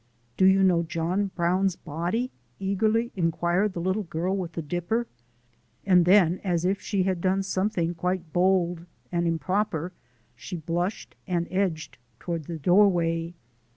"Do you know 'John Brown's Body'?" eagerly inquired the little girl with the dipper, and then, as if she had done something quite bold and improper, she blushed and edged toward the doorway.